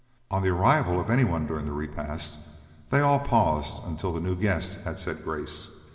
On the arrival of any one during the repast, they all paused until the new guest had said grace.